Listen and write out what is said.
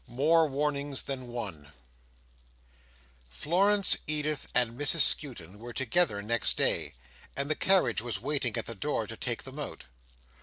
More Warnings than One Florence, Edith, and Mrs Skewton were together next day, and the carriage was waiting at the door to take them out.